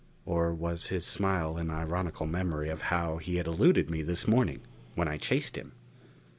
Or was his smile an ironical memory of how he had eluded me this morning when I chased him?